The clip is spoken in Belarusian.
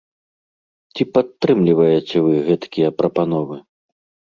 Ці падтрымліваеце вы гэткія прапановы?